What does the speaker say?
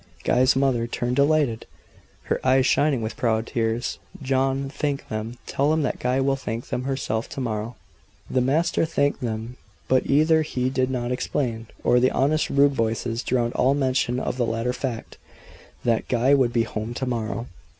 Guy's mother turned delighted her eyes shining with proud tears. "John thank them; tell them that Guy will thank them himself to morrow." The master thanked them, but either he did not explain or the honest rude voices drowned all mention of the latter fact that Guy would be home to morrow.